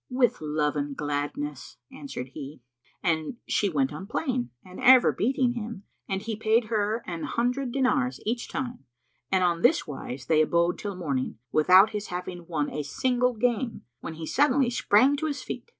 "With love and gladness," answered he and she went on playing and ever beating him and he paid her an hundred dinars each time; and on this wise they abode till the morning, without his having won a single game, when he suddenly sprang to his feet.